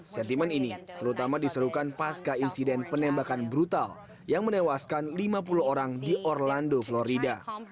sentimen ini terutama diserukan pasca insiden penembakan brutal yang menewaskan lima puluh orang di orlando florida